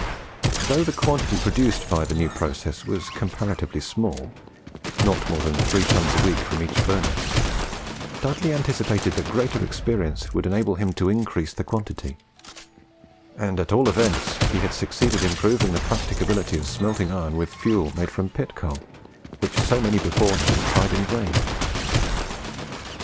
Though the quantity produced by the new process was comparatively small not more than three tons a week from each furnace Dudley anticipated that greater experience would enable him to increase the quantity; and at all events he had succeeded in proving the practicability of smelting iron with fuel made from pit coal, which so many before him had tried in vain.